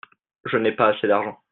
Je n'ai pas assez d'argent.